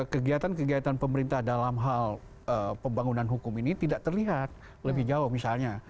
kegiatan kegiatan pemerintah dalam hal pembangunan hukum ini tidak terlihat lebih jauh misalnya